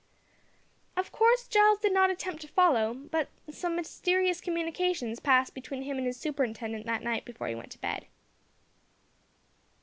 Of course Giles did not attempt to follow, but some mysterious communications passed between him and his superintendent that night before he went to bed.